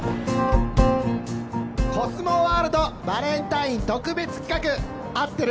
コスモワールドバレンタイン特別企画あってる？